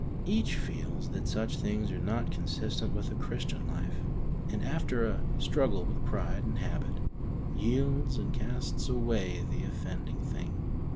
Each feels that such things are not consistent with a Christian life, and, after a struggle with pride and habit, yields and casts away the offending thing.